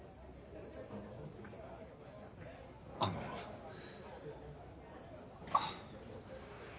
あのあっ。